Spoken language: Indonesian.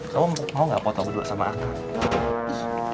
kamu mau nggak foto gue dulu sama akang